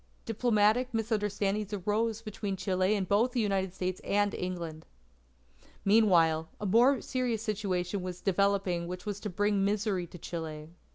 Diplomatic misunderstandings arose between Chile and both the United States and England. Meanwhile, a more serious situation was developing which was to bring misery to Chile.